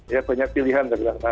ya banyak pilihan